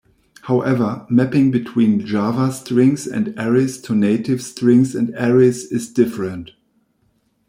However, mapping between Java Strings and arrays to native strings and arrays is different.